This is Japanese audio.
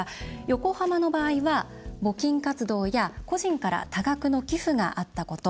横浜の場合は募金活動や個人から多額の寄付があったこと。